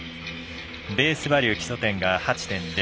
ベースバリュー基礎点が８．００。